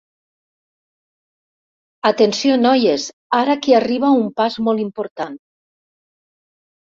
Atenció, noies, ara que arriba un pas molt important.